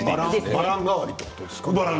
ばらん代わりということですかね。